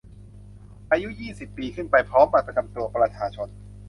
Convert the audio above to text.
อายุ ยี่สิบ ปีขึ้นไป พร้อมบัตรประจำตัวประชาชน